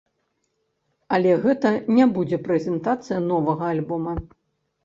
Але гэта не будзе прэзентацыя новага альбома.